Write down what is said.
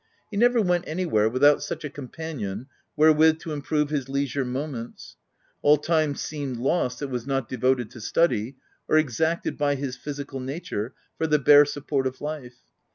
He never went anywhere without such a companion wherewith to improve his leisure moments : all time seemed lost that was not devoted to study, or exacted, by his physical nature, for the bare support of life.